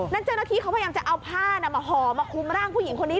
เจ้าหน้าที่เขาพยายามจะเอาผ้ามาห่อมาคุมร่างผู้หญิงคนนี้